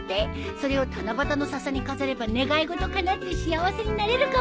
それを七夕のササに飾れば願い事かなって幸せになれるかも。